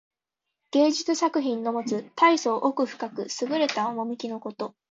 芸術作品のもつたいそう奥深くすぐれた趣のこと。